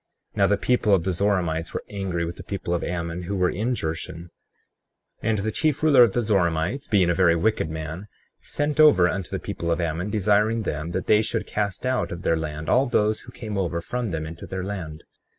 35:8 Now the people of the Zoramites were angry with the people of Ammon who were in Jershon, and the chief ruler of the Zoramites, being a very wicked man, sent over unto the people of Ammon desiring them that they should cast out of their land all those who came over from them into their land.